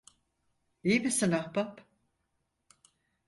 İyi misin ahbap?